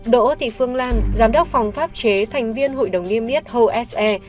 đỗ thị phương lan giám đốc phòng pháp chế thành viên hội đồng niêm yết hồ s e